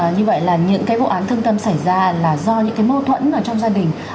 như vậy là những cái vụ án thương tâm xảy ra là do những cái mâu thuẫn trong gia đình